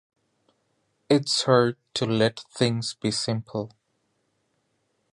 It’s hard to let things be simple.